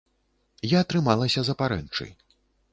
Я трымалася за парэнчы.